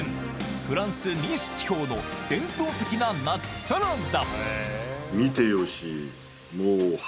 フランスニース地方の伝統的な夏サラダ